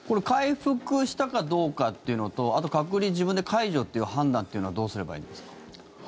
回復したかどうかっていうのとあと隔離自分で解除っていう判断っていうのはどうすればいいんですか？